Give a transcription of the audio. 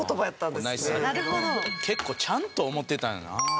結構ちゃんと思ってたんよな。